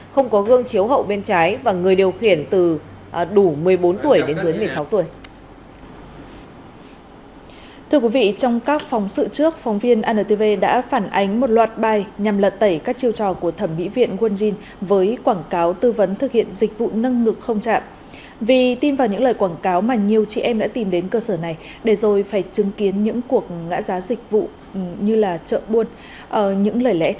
không có gương chiếu hậu bên trái và người điều khiển từ đủ một mươi bốn tuổi đến dưới một mươi sáu tuổi